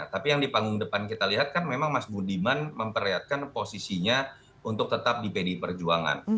tapi yang di panggung depan kita lihat kan memang mas budiman memperlihatkan posisinya untuk tetap di pdi perjuangan